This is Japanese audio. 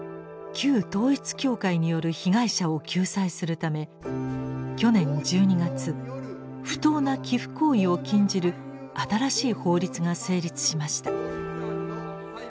旧統一教会による被害者を救済するため去年１２月不当な寄附行為を禁じる新しい法律が成立しました。